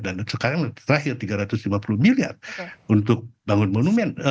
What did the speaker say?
dan sekarang terakhir tiga ratus lima puluh miliar untuk membangun monumen